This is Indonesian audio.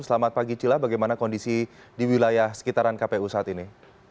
selamat pagi cila bagaimana kondisi di wilayah sekitaran kpu saat ini